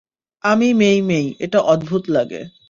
জানি মেই-মেই, এটা অদ্ভূত লাগে।